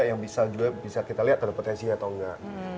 yang bisa juga bisa kita lihat ada potensi atau enggak